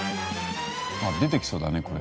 あっ出てきそうだね